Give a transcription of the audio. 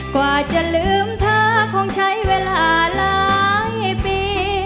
กว่าจะลืมเธอคงใช้เวลาหลายปี